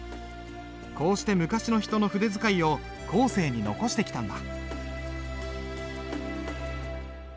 こうして昔の人の筆使いを後世に残してきたんだ。